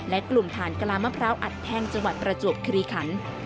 และกลุ่มฐานกลามะพร้าวอัดแท่งจังหวัดประจวบคลีขัน